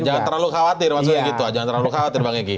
jangan terlalu khawatir